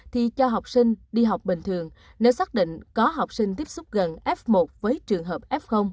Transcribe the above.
thì cho học sinh đi học bình thường nếu xác định có học sinh tiếp xúc gần f một với trường hợp f